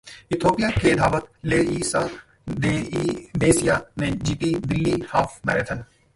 Ethiopia के धावक Lelisa Desisa ने जीती दिल्ली हाफ मैराथन